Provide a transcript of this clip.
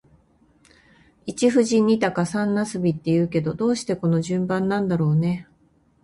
一富士、二鷹、三茄子って言うけど、どうしてこの順番なんだろうね。